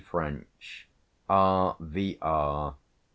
French, R. v.